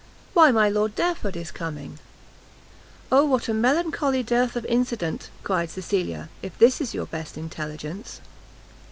"Why my Lord Derford is coming!" "O what a melancholy dearth of incident," cried Cecilia, "if this is your best intelligence!"